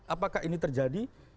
apakah ini terjadi